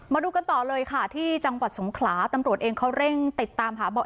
มาดูกันต่อเลยค่ะที่จังหวัดสงขลาตำรวจเองเขาเร่งติดตามหาเบาะ